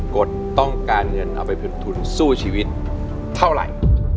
กฎต้องการเงินเอาไปเป็นทุนสู้ชีวิตเท่าไหร่